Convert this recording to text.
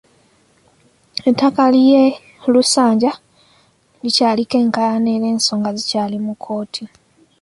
Ettaka ly’e Lusanja likyaliko enkayaana era ensonga zikyali mu kkooti.